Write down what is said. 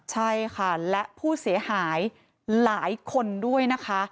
ใช่ค่ะและผู้เสียหายหลายคนด้วยนะคะ